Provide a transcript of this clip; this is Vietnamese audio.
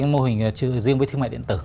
mô hình riêng với thương mại điện tử